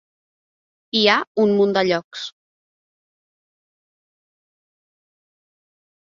Hi ha un munt de llocs.